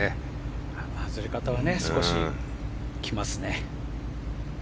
あの外れ方は少しきますね。